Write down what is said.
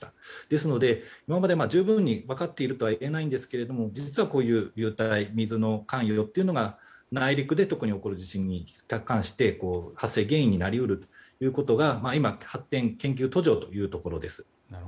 ですので今まで十分に分かっているとは言えないんですが実はこういう流体、水の関与が内陸で特に起こる地震に関して発生原因になり得るということが今、研究の発展途上というところです。